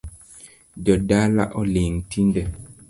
Jodala oling’ tinde